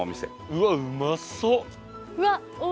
うわっうまそう！